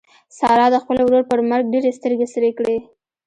سارا د خپل ورور پر مرګ ډېرې سترګې سرې کړې.